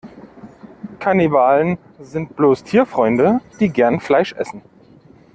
Kannibalen sind bloß Tierfreunde, die gern Fleisch essen.